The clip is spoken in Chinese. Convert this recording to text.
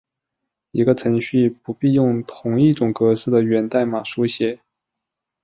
一个程序不必用同一种格式的源代码书写。